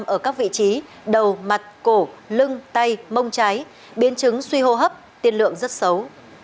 ba mươi năm ở các vị trí đầu mặt cổ lưng tay mông trái biến chứng suy hô hấp tiên lượng rất xấu